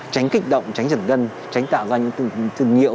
tránh kích động tránh trần gân tránh tạo ra những tư nhiễu